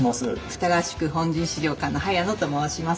二川宿本陣資料館の早野と申します。